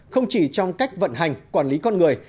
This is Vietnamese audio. không chỉ trong cách vận hành quản lý con người